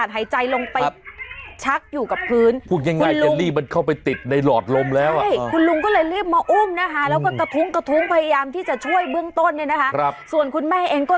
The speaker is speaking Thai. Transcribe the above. แต่ในท้ายที่สุดของคุณและคุณแม่